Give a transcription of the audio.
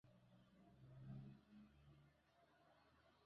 mazingira ambayo hufanyika kwa sababu ya kelele nyingi mijini